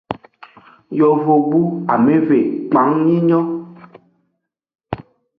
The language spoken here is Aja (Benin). Yovogbu ameve kpang yi nyon.